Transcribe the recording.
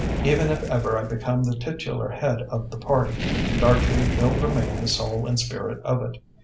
Even if ever I become the titular head of the party, Dartrey will remain the soul and spirit of it.